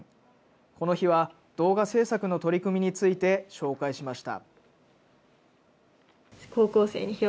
この日は動画制作の取り組みについて紹介しました。